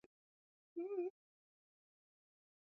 Karani wangu ni kioo cha jamii.